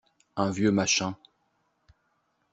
Un vieux machin.